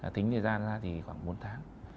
tính thời gian ra thì khoảng bốn tháng